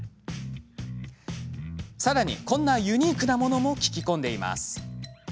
さらに、こんなユニークなものも聞き込んでいます。